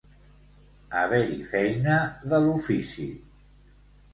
Haver-hi feina de l'ofici.